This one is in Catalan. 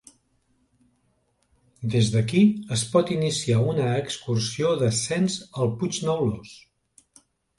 Des d'aquí es pot iniciar una excursió d'ascens al Puig Neulós.